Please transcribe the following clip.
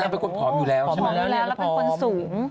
เป็นคนผอมอยู่แล้วใช่ไหมผอมอยู่แล้วแล้วเป็นคนสูง